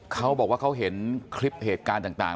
เขาบอกว่าเขาเห็นคลิปเหตุการณ์ต่าง